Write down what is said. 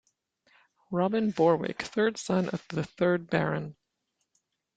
Robin Borwick, third son of the third Baron.